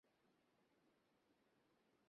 আহারে, বেচারি!